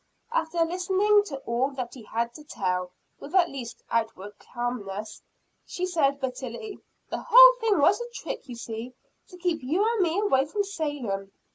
After listening to all that he had to tell, with at least outward calmness, she said bitterly: "The whole thing was a trick, you see, to keep you and me away from Salem."